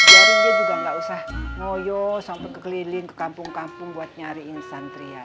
jari dia juga gausah noyo sampai ke keliling kpn kpn buat nyariin santri ya